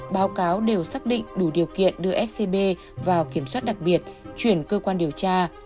báo cáo đều xác định đủ điều kiện đưa scb vào kiểm soát đặc biệt chuyển cơ quan điều tra